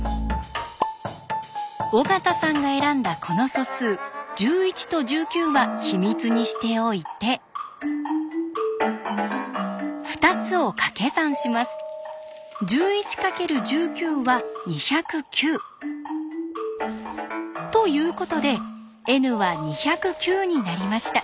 尾形さんが選んだこの素数１１と１９は秘密にしておいて２つをかけ算します。ということでＮは２０９になりました。